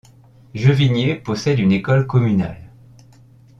Jevigné possède une école communale.